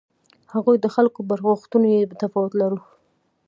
هغوی د خلکو پر غوښتنو بې تفاوته و.